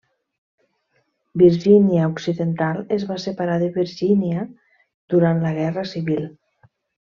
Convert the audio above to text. Virgínia Occidental es va separar de Virgínia durant la Guerra Civil.